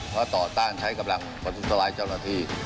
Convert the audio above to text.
เพราะต่อต้านใช้กำลังประทุษร้ายเจ้าหน้าที่